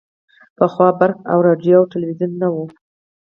پخوا برېښنا او راډیو او ټلویزیون نه وو